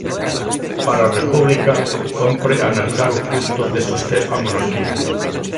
Para República, cómpre analizar o custo de soster a monarquía.